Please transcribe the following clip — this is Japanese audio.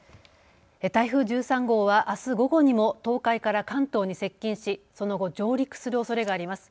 台風１３号はあす午後にも東海から関東に接近しその後、上陸するおそれがあります。